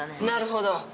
なるほど。